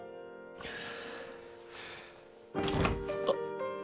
あっ。